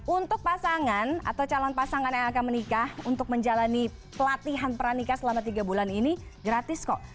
untuk pasangan atau calon pasangan yang akan menikah untuk menjalani pelatihan pernikah selama tiga bulan ini gratis kok